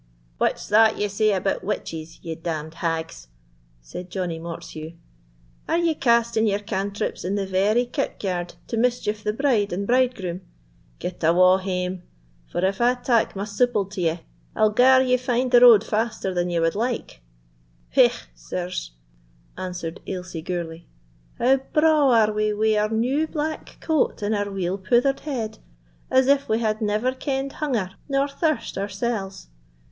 "What's that ye say about witches, ye damned hags?" said Johnie Mortheuch [Mortsheugh]; "are ye casting yer cantrips in the very kirkyard, to mischieve the bride and bridegroom? Get awa' hame, for if I tak my souple t'ye, I'll gar ye find the road faster than ye wad like." "Hegh, sirs!" answered Ailsie Gourlay; "how bra' are we wi' our new black coat and our weel pouthered head, as if we had never kenn'd hunger nor thirst oursells!